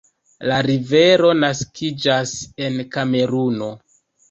La rivero naskiĝas en Kameruno.